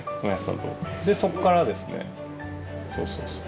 そうそうそう。